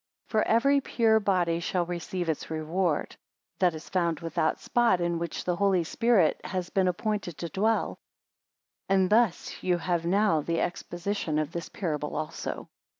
57 For every pure body shall receive its reward; that is found without spot, in which the Holy Spirit has been appointed to dwell. And thus you have now the exposition of this parable also.